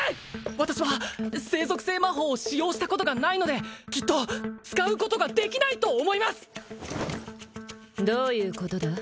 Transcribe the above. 私は聖属性魔法を使用したことがないのできっと使うことができないと思いますどういうことだ？